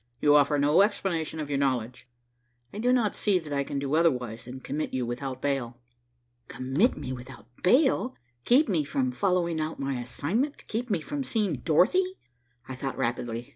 You offer no explanation of your knowledge. I do not see that I can do otherwise than commit you without bail." Commit me without bail, keep me from following out my assignment, keep me from seeing Dorothy! I thought rapidly.